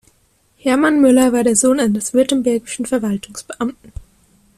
Hermann Müller war der Sohn eines württembergischen Verwaltungsbeamten.